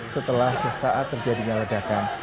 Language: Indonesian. setelah sesaat terjadinya ledakan